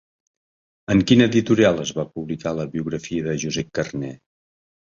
En quina editorial es va publicar la biografia de Josep Carner?